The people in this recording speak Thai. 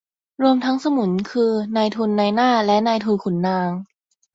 รวมทั้งสมุน คือ นายทุนนายหน้าและนายทุนขุนนาง